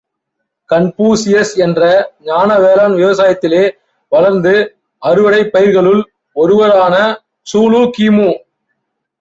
Confucius என்ற ஞான வேளான் விவசாயத்திலே வளர்ந்து அறுவடைப் பயிர்களுல் ஒருவரான ட்சூலு கி.மு.